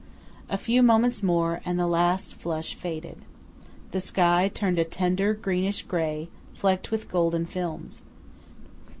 A few moments more, and the last flush faded. The sky turned a tender, greenish grey, flecked with golden films.